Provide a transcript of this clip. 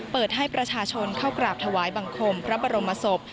เปิดให้ประชาชนเข้ากราบถวายบังคมพระบรมศพ